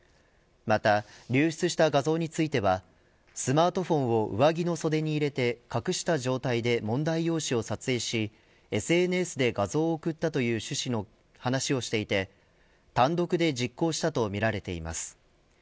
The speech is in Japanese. また流出した画像についてはスマートフォンを上着の袖に入れて隠した状態で問題用紙を撮影しＳＮＳで画像を送ったという趣旨の話をしていて単独で実行したとみられています。